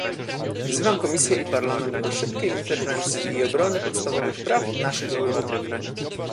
Wzywam Komisję i Parlament do szybkiej interwencji i obrony podstawowych praw naszych obywateli